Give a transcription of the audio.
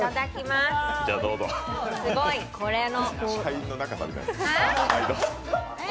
すごい、これの。